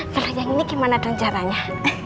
kalau yang ini gimana dengan caranya